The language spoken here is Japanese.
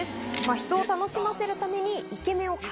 人を楽しませるために。